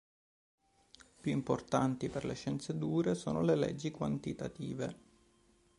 Più importanti per le scienze “dure” sono le leggi quantitative.